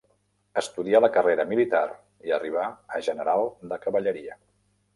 Estudià la carrera militar i arribà a general de cavalleria.